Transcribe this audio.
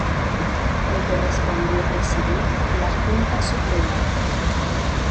Le correspondió presidir la Junta Suprema.